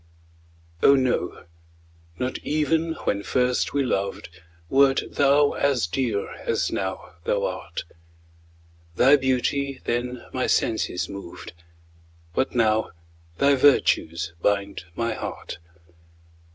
Oh, no not even when first we loved, Wert thou as dear as now thou art; Thy beauty then my senses moved, But now thy virtues bind my heart.